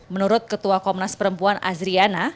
menurut ketua komnas perempuan azriana